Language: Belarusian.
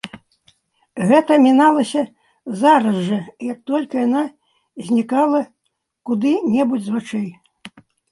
Гэта міналася зараз жа, як толькі яна знікала куды-небудзь з вачэй.